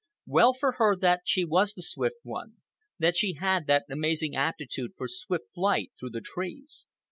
Well for her that she was the Swift One, that she had that amazing aptitude for swift flight through the trees.